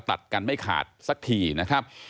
ตัดกันไม่ขาดสักทีนะครับ